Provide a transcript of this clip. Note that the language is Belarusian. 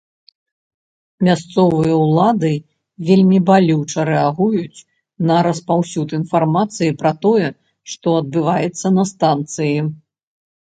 Мясцовыя ўлады вельмі балюча рэагуюць на распаўсюд інфармацыі пра тое, што адбываецца на станцыі.